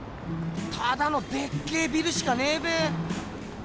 ただのでっけえビルしかねえべ。